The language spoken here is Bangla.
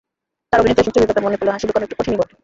তাঁর অভিনীত এসব ছবির কথা মনে পড়লে হাসি লুকোনো একটু কঠিনই বটে।